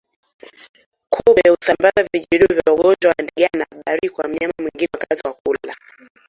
Kupe husamabaza vijidudu vya ugonjwa wa ndigana baridi kwa mnyama mwingine wakati wa kula